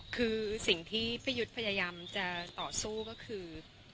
คือสิ่งที่พี่ยุทธพยายามจะต่อสู้ก็คือ